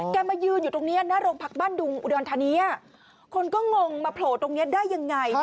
แกมายืนอยู่ตรงนี้ณรมพักบ้านดุงอุดรธานีคนก็งงมาโผล่ตรงนี้ได้อย่างไรนะคะ